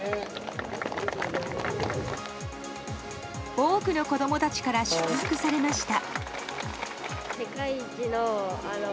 多くの子供たちから祝福されました。